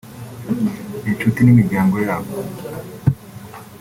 inshuti n’imiryango yabo